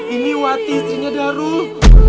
ini wati istrinya darul